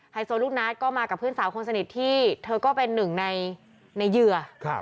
โซลูกนัทก็มากับเพื่อนสาวคนสนิทที่เธอก็เป็นหนึ่งในเหยื่อ